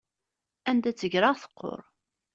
Anda i tt-greɣ teqquṛ.